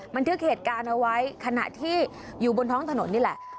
บันทึกเหตุการณ์เอาไว้ขณะที่อยู่บนท้องถนนนี่แหละ